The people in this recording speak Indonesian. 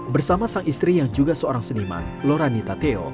bersama sang istri yang juga seorang seniman loranita theo